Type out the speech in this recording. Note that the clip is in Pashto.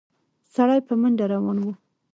سړی په منډه روان و.